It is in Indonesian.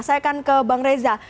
saya akan ke bang reza